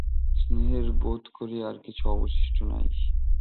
স্নেহের বোধ করি আর কিছু অবশিষ্ট নাই।